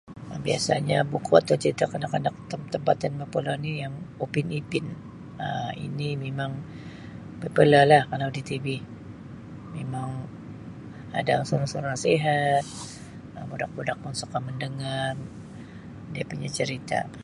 Biasanya buku atau cerita kanak-kanak tem- tempatan popular ni yang Upin Ipin. Um Ini mimang popular la kalau di tv. Mimang ada unsur-unsur nasihat. Budak-budak pun suka mendengar dia punya cerita.